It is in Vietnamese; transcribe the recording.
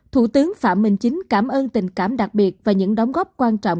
thủ tướng phạm minh chính cảm ơn tình cảm đặc biệt và những đóng góp quan trọng